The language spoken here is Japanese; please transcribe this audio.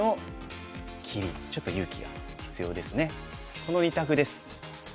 この２択です。